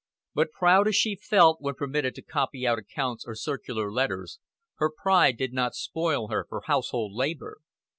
But proud as she felt when permitted to copy out accounts or circular letters, her pride did not spoil her for household labor.